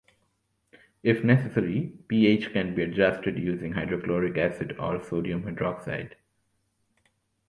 If necessary, pH can be adjusted using hydrochloric acid or sodium hydroxide.